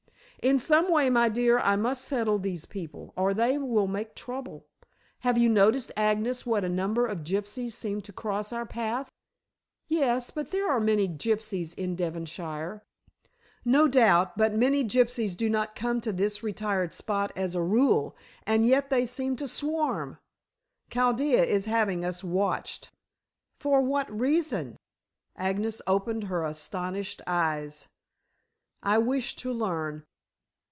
In some way, my dear, I must settle these people, or they will make trouble. Have you noticed, Agnes, what a number of gypsies seem to cross our path?" "Yes; but there are many gypsies in Devonshire." "No doubt, but many gypsies do not come to this retired spot as a rule, and yet they seem to swarm. Chaldea is having us watched." "For what reason?" Agnes opened her astonished eyes. "I wish to learn.